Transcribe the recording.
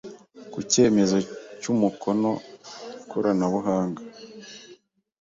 ku cyemezo cy umukono koranabuhanga